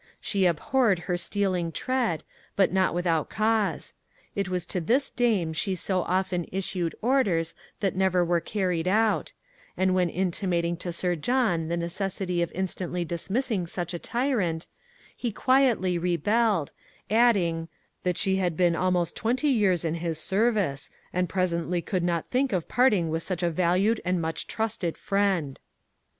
She abhorred her stealing tread, but not without cause. It was to this dame she so often issued orders that never were carried out; and when intimating to Sir John the necessity of instantly dismissing such a tyrant, he quietly "rebelled," adding "that she had been almost twenty years in his service, and presently could not think of parting with such a valued and much trusted friend."